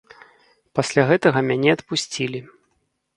Пасля гэтага мяне адпусцілі.